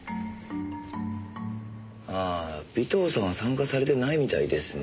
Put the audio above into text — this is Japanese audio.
あー尾藤さんは参加されてないみたいですね。